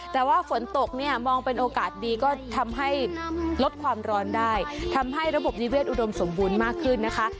แต่ว่าฝนตกเนี่ยมองเป็นโอกาสดีก็ทำให้ลดความร้อนได้ทำให้ระบบนิเศษอุดมสมบูรณ์มากขึ้นนะคะ